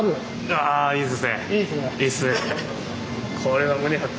あいいですね！